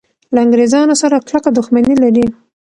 له انګریزانو سره کلکه دښمني لري.